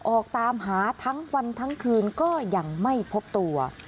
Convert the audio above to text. ออกตามหาทั้งวันทั้งคืนก็ยังไม่พบตัว